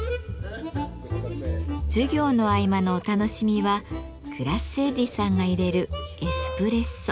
授業の合間のお楽しみはグラッセッリさんがいれるエスプレッソ。